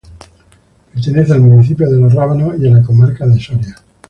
Pertenece al municipio de Los Rábanos, y a la Comarca de Soria.